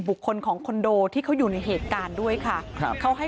บุคคลของคอนโดที่เขาอยู่ในเหตุการณ์ด้วยค่ะครับเขาให้